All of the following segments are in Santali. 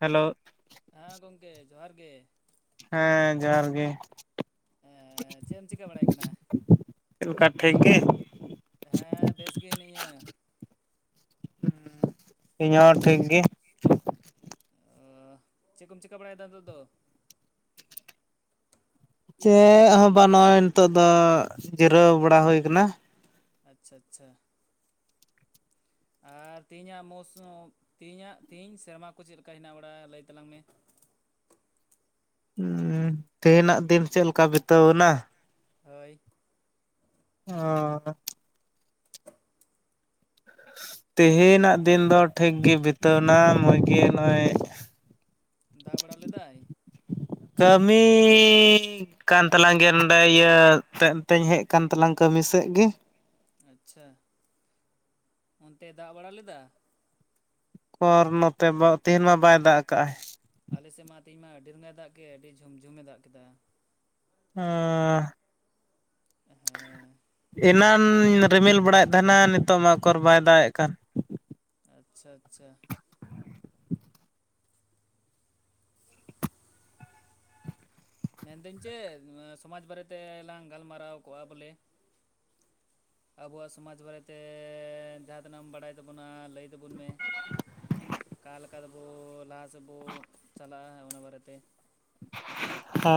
ᱦᱮᱞᱳ ᱦᱮᱸ ᱜᱚᱝᱠᱮ ᱡᱚᱦᱟᱨ ᱜᱮ᱾ ᱦᱮᱸ ᱡᱚᱦᱟᱨ ᱜᱮ᱾ ᱮᱸᱻ ᱪᱮᱫ ᱮᱢ ᱪᱤᱠᱟᱹ ᱵᱟᱲᱟᱭᱮᱫ ᱠᱟᱱᱟ? ᱪᱮᱫ ᱞᱮᱠᱟ ᱴᱷᱤᱠ ᱜᱮ [unintelligible] ᱦᱮᱸ ᱵᱮᱥ ᱜᱮ ᱦᱤᱱᱟᱹᱧᱟᱹ᱾ ᱤᱧ ᱦᱚᱸ ᱴᱷᱤᱠ ᱜᱤ᱾ ᱮᱸᱻ ᱪᱮᱫ ᱠᱚᱢ ᱪᱮᱠᱟ ᱵᱟᱲᱟᱭᱫᱟ ᱱᱤᱛᱚᱜ ᱫᱚ? ᱪᱮᱫ ᱦᱚᱸ ᱵᱟᱝ ᱱᱚᱜᱼᱚᱭ ᱱᱤᱛᱚᱜ ᱫᱚ ᱡᱤᱨᱟᱹᱣ ᱵᱟᱲᱟ ᱦᱳᱭ ᱟᱠᱟᱱᱟ᱾ ᱟᱪᱪᱷᱟ ᱟᱪᱪᱷᱟ ᱟᱨ ᱛᱮᱦᱮᱧᱟᱜ ᱢᱳᱣᱥᱚᱢ ᱛᱮᱦᱮᱧᱟᱜ ᱛᱮᱦᱤᱧ ᱥᱮᱨᱢᱟ ᱠᱚ ᱪᱮᱫ ᱞᱮᱠᱟ ᱦᱮᱱᱟᱜ ᱵᱟᱲᱟᱜ-ᱟ, ᱞᱟᱹᱭ ᱛᱟᱞᱟᱝ ᱢᱮ᱾ ᱦᱩᱸ ᱛᱮᱦᱮᱱ ᱱᱟᱜ ᱫᱤᱱ ᱪᱮᱫ ᱞᱮᱠᱟ ᱵᱤᱛᱟᱹᱣ ᱱᱟ? ᱦᱳᱭ ᱚᱸ ᱛᱮᱦᱮ ᱱᱟᱜ ᱫᱤᱱ ᱫᱚ ᱴᱷᱤᱠ ᱜᱮ ᱵᱤᱛᱟᱹᱣ ᱮᱱᱟ ᱢᱚᱡᱽ ᱜᱮ ᱱᱚᱜᱼᱚᱭ ᱫᱟᱜ ᱵᱟᱲᱟ ᱞᱮᱫᱟᱭ? ᱠᱟᱹᱢᱤ ᱠᱟᱱ ᱛᱟᱞᱟᱝ ᱜᱮᱭᱟ ᱱᱚᱰᱮ ᱤᱭᱟᱹ ᱛᱮᱫ ᱛᱮᱧ ᱦᱮᱡᱼᱼ ᱠᱟᱱ ᱛᱟᱞᱟᱝ ᱠᱟᱹᱢᱤ ᱥᱮᱜ ᱜᱮ ᱟᱪᱪᱷᱟ, ᱚᱱᱛᱮᱭ ᱫᱟᱜ ᱵᱟᱲᱟ ᱞᱮᱫᱟ? ᱯᱚᱨ ᱱᱚᱛᱮ ᱛᱮᱦᱮᱱ ᱢᱟ ᱵᱟᱭ ᱫᱟᱜ ᱟᱠᱟᱜᱼᱟᱭ᱾ ᱟᱞᱮᱥᱮᱫ ᱢᱟ ᱛᱮᱦᱮᱧ ᱢᱟ ᱟᱹᱰᱤ ᱨᱚᱸᱜ ᱮ ᱫᱟᱜ ᱠᱮᱫ ᱟᱹᱰᱤ ᱡᱷᱩᱢ ᱡᱷᱩᱢ ᱮ ᱫᱟᱜ ᱠᱮᱫᱟ᱾ [unintelligible] ᱦᱮᱸ ᱮᱱᱟᱱ ᱨᱤᱢᱤᱞ ᱵᱟᱲᱟᱭᱮᱫ ᱛᱟᱦᱮᱱᱟ ᱱᱤᱛᱚᱜ ᱢᱟ ᱚᱠᱚᱨ ᱵᱟᱭ ᱫᱟᱜᱮᱫ ᱠᱟᱱ᱾ ᱟᱪᱪᱷᱟ ᱟᱪᱪᱷᱟ᱾ ᱢᱮᱱᱫᱟᱹᱧ ᱪᱮᱫ, ᱥᱚᱢᱟᱡᱽ ᱵᱟᱨᱮᱛᱮᱞᱟᱝ ᱜᱟᱞᱢᱟᱨᱟᱣ ᱠᱚᱜᱼᱟ ᱵᱚᱞᱮ ᱟᱵᱚᱣᱟᱜ ᱥᱚᱢᱟᱡᱽ ᱵᱟᱨᱮᱛᱮ ᱡᱟᱦᱟᱸ ᱛᱤᱱᱟᱹᱜ ᱮᱢ ᱵᱟᱲᱟᱭ ᱛᱟᱵᱚᱱᱟ ᱞᱟᱹᱭ [unintelligible] ᱢᱮ [unintelligible] ᱞᱟᱦᱟᱥᱮᱫ ᱵᱚ ᱪᱟᱞᱟᱜᱼᱟ ᱚᱱᱟ ᱵᱟᱨᱮᱛᱮ᱾ ᱚᱻ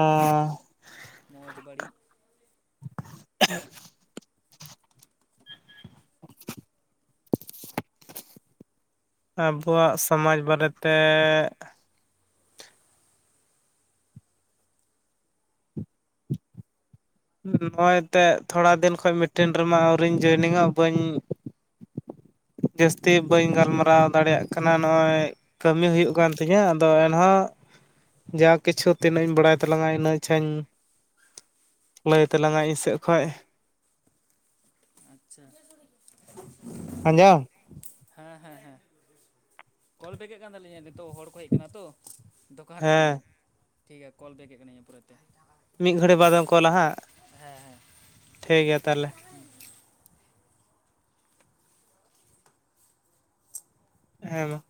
ᱢᱚᱡᱽ ᱵᱟᱹᱲᱤᱡ [unintelligible] [unintelligible] ᱟᱵᱚᱣᱟᱜ ᱥᱚᱢᱟᱡᱽ ᱵᱟᱨᱮ ᱛᱮ [unintelligible] ᱛᱷᱚᱲᱟ ᱫᱤᱱ ᱠᱷᱚᱱ ᱢᱤᱴᱤᱝ ᱨᱮᱢᱟ ᱟᱹᱣᱨᱤᱧ ᱡᱚᱭᱮᱱᱤᱝᱚᱜ ᱵᱟᱹᱧ ᱡᱟᱹᱥᱛᱤ ᱵᱟᱹᱧ ᱜᱟᱞᱢᱟᱨᱟᱣ ᱫᱟᱲᱮᱭᱟᱜ ᱠᱟᱱᱟ ᱱᱚᱜᱼᱚᱭ ᱠᱟᱹᱢᱤ ᱦᱩᱭᱩᱜ ᱠᱟᱱ ᱛᱤᱧᱟᱹ ᱟᱫᱚ ᱮᱱᱦᱚᱸ ᱡᱟ ᱠᱤᱪᱷᱩ ᱛᱤᱱᱟᱹᱜ ᱤᱧ ᱵᱟᱲᱟᱭ ᱛᱟᱞᱟᱝᱟ ᱤᱱᱟᱹ ᱟᱪᱪᱷᱟᱧ ᱞᱟᱹᱭ ᱛᱟᱞᱟᱝᱟ ᱤᱧ ᱥᱮᱫ ᱠᱷᱚᱡ᱾ ᱟᱪᱪᱷᱟ᱾ [unintelligible] ᱟᱸᱡᱟᱣᱼᱼ ᱦᱮᱸ ᱦᱮᱸ ᱦᱮᱸ᱾ ᱠᱚᱞ ᱵᱮᱠ ᱮᱫ ᱠᱟᱱ ᱛᱟᱹᱞᱤᱧᱟ ᱱᱤᱛᱚᱜ ᱦᱚᱲ ᱠᱚ ᱦᱮᱡ ᱠᱟᱱᱟ ᱛᱚ ᱫᱚᱠᱟᱱ ᱨᱮ ᱦᱮᱸ ᱦᱤᱱᱟᱹᱧᱟᱹ। ᱴᱷᱤᱠ ᱜᱮᱭᱟ ᱠᱚᱞ ᱵᱮᱠ ᱮᱫ ᱠᱟᱹᱱᱟᱹᱧ ᱯᱚᱨᱮᱛᱮ। ᱢᱤᱫ ᱜᱷᱟᱹᱲᱤ ᱵᱟᱫᱮᱢ ᱠᱚᱞᱟ ᱦᱟᱸᱜ ᱦᱮᱸ ᱦᱮᱸ ᱴᱷᱤᱠ ᱜᱮᱭᱟ ᱛᱟᱦᱞᱮ। ᱦᱮᱸ ᱢᱟ।